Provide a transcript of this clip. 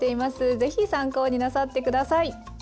是非参考になさって下さい。